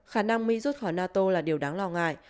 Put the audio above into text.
khả năng mỹ rút khỏi nato là điều đáng lo ngại